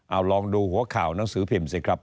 เอาลองดูหัวข่าวหนังสือพิมพ์สิครับ